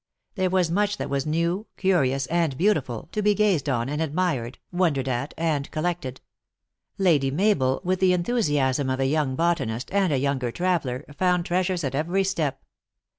There was much that was new, curious, and beauti ful, to be gazed on and admired, wondered at, and collected. Lady Mabel, with the enthusiasm of a young botanist and a younger traveler, found trea sures at every step.